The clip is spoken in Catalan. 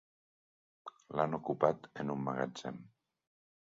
L'han ocupat en un magatzem.